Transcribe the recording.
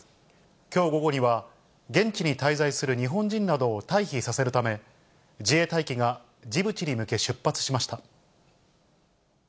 きょう午後には、現地に滞在する日本人などを退避させるため、自衛隊機がジブチに向け出発しました。